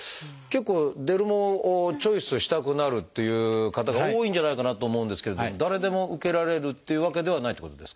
結構デルモをチョイスしたくなるっていう方が多いんじゃないかなと思うんですけれども誰でも受けられるっていうわけではないってことですか？